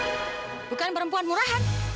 eh bukan perempuan murahan